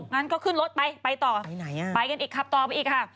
งั้นก็ขึ้นรถไปไปต่อไปไหนอ่ะไปกันอีกขับต่อไปอีกค่ะ